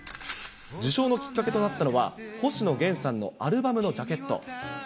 受賞のきっかけとなったのは、星野源さんのアルバムのジャケット。